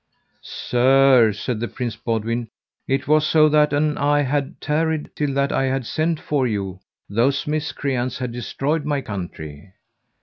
Sir, said the Prince Boudwin, it was so that an I had tarried till that I had sent for you those miscreants had destroyed my country.